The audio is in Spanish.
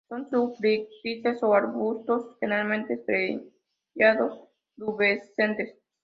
Son sufrútices o arbustos, generalmente estrellado-pubescentes.